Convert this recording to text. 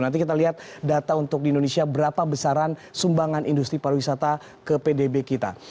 nanti kita lihat data untuk di indonesia berapa besaran sumbangan industri pariwisata ke pdb kita